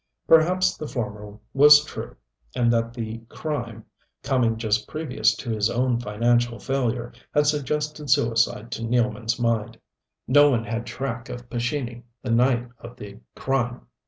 Perhaps the former was true, and that the crime, coming just previous to his own financial failure, had suggested suicide to Nealman's mind. No one had track of Pescini the night of the crime.